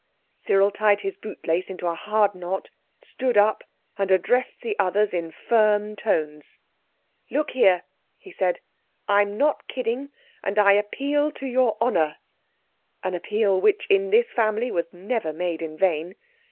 Cyril tied his bootlace into a hard knot, stood up and addressed the others in firm tones— "Look here," he said, "I'm not kidding—and I appeal to your honour," an appeal which in this family was never made in vain.